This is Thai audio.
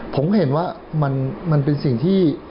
ผมก็เห็นว่ามันเป็นสิ่งที่